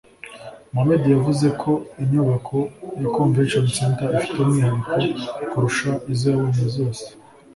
Muhammed yavuze ko inyubako ya Convention Center ifite umwihariko kurusha izo yabonye zose